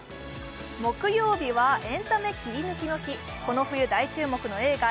木曜日はエンタメキリヌキの日この冬大注目の映画